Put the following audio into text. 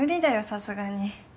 さすがに。